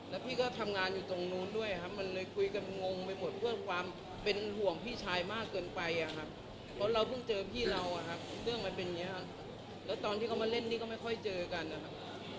แล้วพี่ก็ทำงานอยู่ตรงนู้นด้วยครับมันเลยคุยกันงงไปหมดเพื่อความเป็นห่วงพี่ชายมากเกินไปอะครับเพราะเราเพิ่งเจอพี่เราอะครับเรื่องมันเป็นอย่างนี้ครับแล้วตอนที่เขามาเล่นนี่ก็ไม่ค่อยเจอกันนะครับ